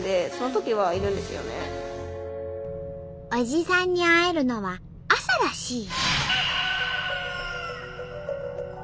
おじさんに会えるのは朝らしい。